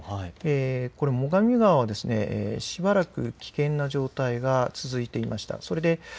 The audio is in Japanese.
これ最上川はしばらく危険な状態が続いていました。